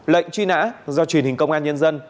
lệnh truy nã do truyền hình công an nhân dân